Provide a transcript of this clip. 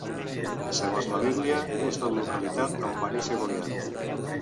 Segons la Bíblia, és la localitat on va néixer Goliat.